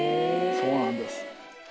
そうなんです。